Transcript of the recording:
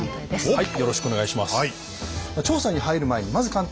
はい。